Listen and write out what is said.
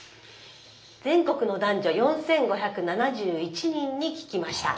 全国の男女４，５７１人に聞きました。